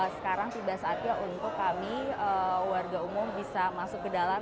sekarang tiba saatnya untuk kami warga umum bisa masuk ke dalam